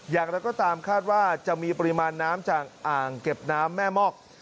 อย่างไรก็ตามคาดว่าจะมีปริมาณน้ำจากอ่างเก็บน้ำแม่มอก